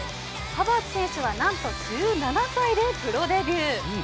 ハヴァーツ選手はなんと１７歳でプロデビュー。